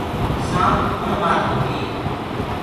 سآنپ ڦُڻ مآردو هي۔